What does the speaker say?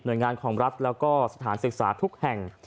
หน่วยงานของรัฐและสถานศึกษาทุกแห่ง